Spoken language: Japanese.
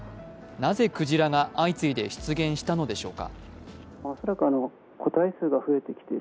なぜクジラが相次いで出現したのでしょうか。